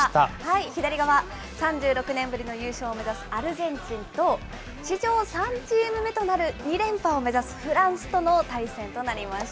左側、３６年ぶりの優勝を目指すアルゼンチンと、史上３チーム目となる２連覇を目指すフランスとの対戦となりまし